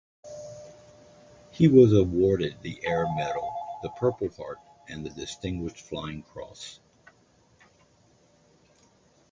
He was awarded the Air Medal, the Purple Heart, and the Distinguished Flying Cross.